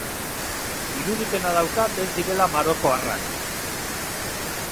Irudipena daukat ez direla marokoarrak.